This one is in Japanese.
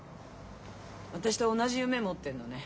私と同じ夢持ってんのね。